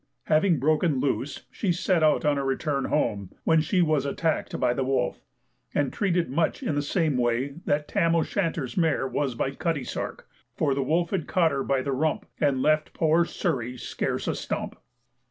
Having broken loose she set out on her return home, when she was attacked by the wolf, and treated much in the same way that Tam O'Shanter's mare was by Cutty Sark, for "The wolf had caught her by the rump, And left poor Surie scarce a stump."